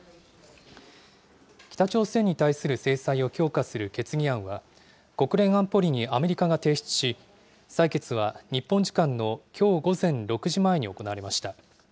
北朝鮮に対する制裁を強化する決議案は、国連安保理にアメリカが提出し、採決は日本時間のきょう午前６時前に行われました。